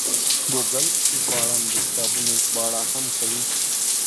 ګوګل ژباړن د کتابونو ژباړه هم کوي.